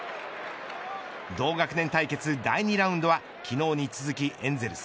同学年対決第２ラウンドは昨日に続きエンゼルス